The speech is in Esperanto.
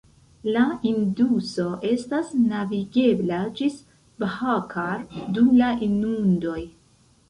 La Induso estas navigebla ĝis Bhakar dum la inundoj.